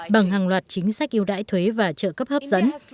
bằng hàng loạt chính sách yêu đãi thuế và trợ cấp hấp dẫn